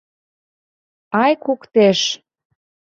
— Ай, куктеж.